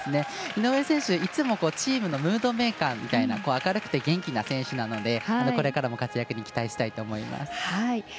井上選手、いつもチームのムードメーカーみたいな明るくて元気な選手なのでこれからの活躍に期待したいです。